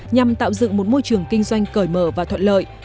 nhằm tạo dựng một môi trường kinh doanh cởi mở và thuận lợi